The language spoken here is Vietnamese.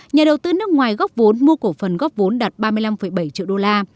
nhà đầu tư nước ngoài góp vốn mua cổ phần góp vốn đạt ba mươi năm bảy triệu đô la